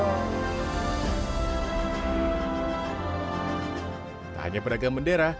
tidak hanya pedagang bendera